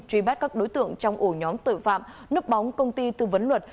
truy bắt các đối tượng trong ổ nhóm tội phạm núp bóng công ty tư vấn luật